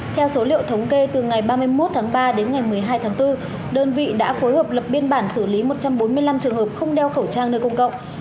theo số liệu thống kê từ ngày ba mươi một tháng ba đến ngày một mươi hai tháng bốn đơn vị đã phối hợp lập biên bản xử lý một trăm bốn mươi năm trường hợp không đeo khẩu trang nơi công cộng